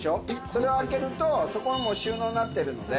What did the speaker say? それを開けるとそこも収納になってるので。